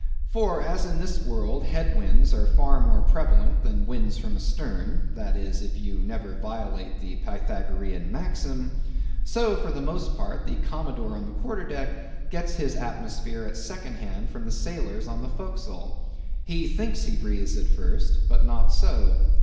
For as in this world, head winds are far more prevalent than winds from astern (that is, if you never violate the Pythagorean maxim), so for the most part the Commodore on the quarter deck gets his atmosphere at second hand from the sailors on the forecastle. He thinks he breathes it first; but not so.